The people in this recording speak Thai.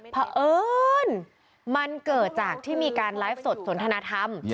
เพราะเอิญมันเกิดจากที่มีการไลฟ์สดสนทนธรรม